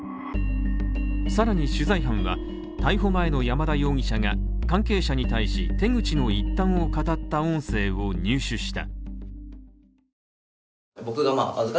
さらに取材班は逮捕前の山田容疑者が関係者に対し手口の一端を語った音声を入手した。